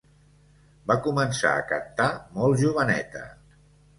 Va començar a cantar molt joveneta.